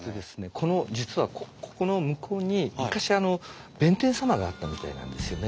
この実はここの向こうに昔弁天様があったみたいなんですよね。